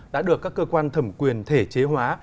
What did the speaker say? đã được các cơ quan thẩm quyền thể chế hóa